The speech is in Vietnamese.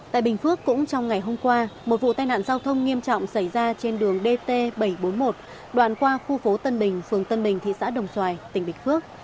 tại bình phước cũng trong ngày hôm qua một vụ tai nạn giao thông nghiêm trọng xảy ra trên đường dt bảy trăm bốn mươi một đoạn qua khu phố tân bình phường tân bình thị xã đồng xoài tỉnh bình phước